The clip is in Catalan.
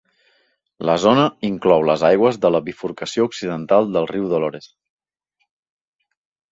La zona inclou les aigües de la bifurcació occidental del riu Dolores.